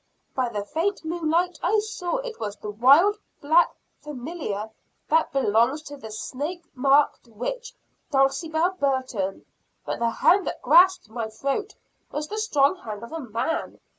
By the faint moonlight I saw it was the wild black 'familiar' that belongs to the snake marked witch, Dulcibel Burton. But the hand that grasped my throat was the strong hand of a man.